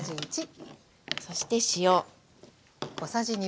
そして塩。